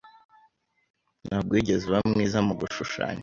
Ntabwo wigeze uba mwiza mugushushanya.